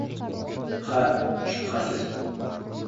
«Ha, shubhasiz